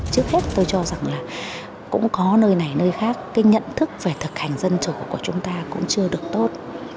trước hết tôi cho rằng là cũng có nơi này nơi khác cái nhận thức về thực hành dân chủ của chúng ta cũng chưa được tốt